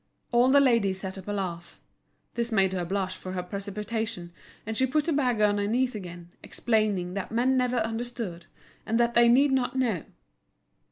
All the ladies set up a laugh. This made her blush for her precipitation, and she put the bag on her knees again, explaining that men never understood, and that they need not know.